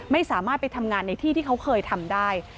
ไม่สามารถไปทำงานในที่ที่เขาเคยทำได้